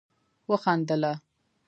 وخندله